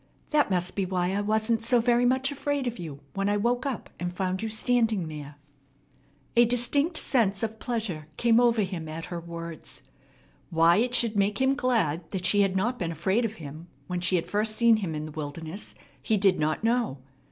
"That must be why I wasn't so very much afraid of you when I woke up and found you standing there." A distinct sense of pleasure came over him at her words. Why it should make him glad that she had not been afraid of him when she had first seen him in the wilderness he did not know.